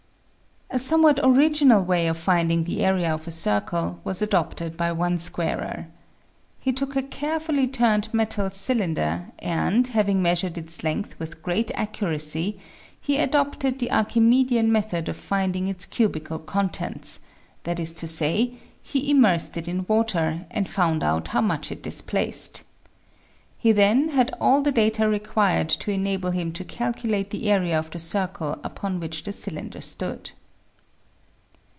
A somewhat original way of finding the area of a circle was adopted by one squarer. He took a carefully turned metal cylinder and having measured its length with great, accuracy he adopted the Archimedean method of finding its cubical contents, that is to say, he immersed it in water and found out how much it displaced. He then had all the data required to enable him to calculate the area of the circle upon which the cylinder stood.